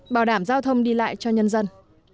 bảo đảm giao thông đi lại cho nhân dân